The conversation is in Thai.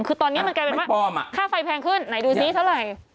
คือตอนนี้มันกลายเป็นว่าค่าไฟแพงขึ้นไหนดูซิเท่าไหร่